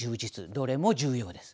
どれも重要です。